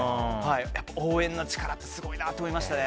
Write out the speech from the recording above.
やっぱ応援の力ってすごいなと思いましたね。